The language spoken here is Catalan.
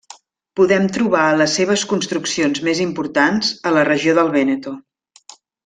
Podem trobar les seves construccions més importants a la regió del Vèneto.